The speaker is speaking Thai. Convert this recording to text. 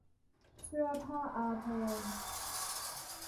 เสื้อผ้าอาภรณ์